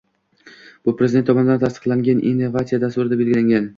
Bu Prezident tomonidan tasdiqlangan investitsiya dasturida belgilangan.